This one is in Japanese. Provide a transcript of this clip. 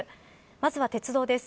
まずは鉄道です。